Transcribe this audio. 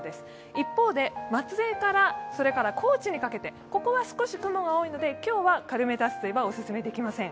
一方で、松江から高知にかけて、ここは少し雲が多いので、今日は軽め脱水はオススメできません。